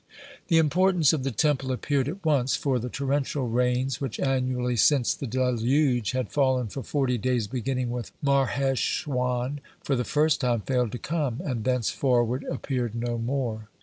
(63) The importance of the Temple appeared at once, for the torrential rains which annually since the deluge had fallen for forty days beginning with the month of Marheshwan, for the first time failed to come, and thenceforward appeared no more.